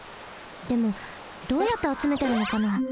でもどうやってあつめてるのかな？